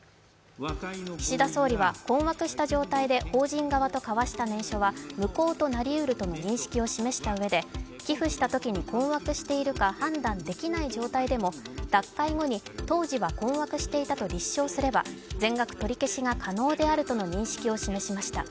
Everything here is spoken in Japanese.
岸田総理は困惑し状態で法人側と交わした念書は無効となりうるとの認識を示したうえで寄付したときに困惑しているか判断できない状態でも脱会後に当時は困惑していたと立証すれば全額取り消しが可能であるとの認識を示しました。